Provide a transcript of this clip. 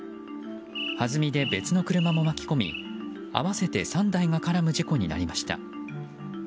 はずみで別の車も巻き込み合わせて３台が絡む事故になりました。